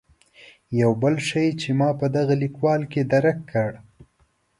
یو بل شی چې ما په دغه لیکوال کې درک کړ.